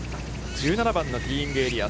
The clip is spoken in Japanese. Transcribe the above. １７番のティーイングエリア。